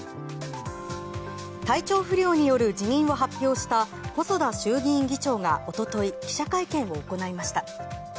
体調不良による辞任を発表した細田衆議院議長が一昨日、記者会見を行いました。